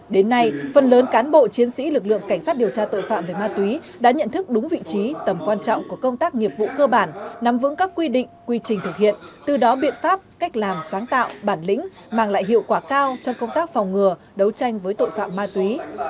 đến nay phần lớn cán bộ chiến sĩ lực lượng cảnh sát điều tra tội phạm về ma túy đã nhận thức đúng vị trí tầm quan trọng của công tác nghiệp vụ cơ bản nắm vững các quy định quy trình thực hiện từ đó biện pháp cách làm sáng tạo bản lĩnh mang lại hiệu quả cao trong công tác phòng ngừa đấu tranh với tội phạm ma túy